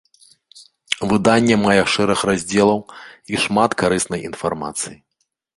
Выданне мае шэраг раздзелаў і шмат карыснай інфармацыі.